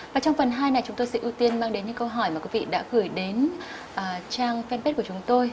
và trong phần hai này chúng tôi sẽ ưu tiên mang đến những câu hỏi mà quý vị đã gửi đến trang fanpage của chúng tôi